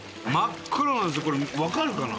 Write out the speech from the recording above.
これわかるかな？